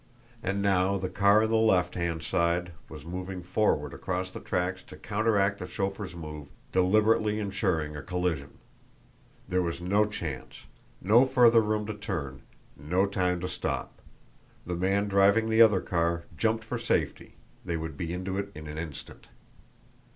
And now the car on the left hand side was moving forward across the tracks to counteract the chauffeur's move, deliberately insuring a collision. There was no chance, no further room to turn, no time to stop the man driving the other car jumped for safety they would be into it in an instant.